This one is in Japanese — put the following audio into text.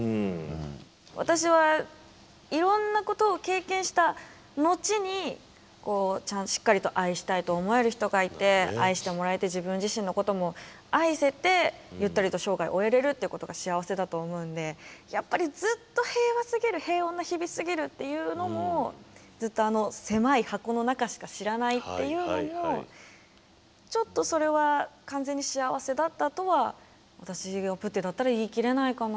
私はいろんなことを経験した後にしっかりと愛したいと思える人がいて愛してもらえて自分自身のことも愛せてゆったりと生涯を終えれるってことが幸せだと思うんでやっぱりずっと平和すぎる平穏な日々すぎるっていうのもずっとあの狭い箱の中しか知らないっていうのもちょっとそれは完全に幸せだったとは私がプッテだったら言い切れないかな。